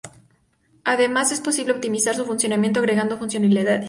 Además es posible optimizar su funcionamiento agregando funcionalidades.